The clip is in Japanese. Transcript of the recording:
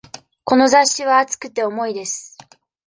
この雑誌は厚くて、重いです。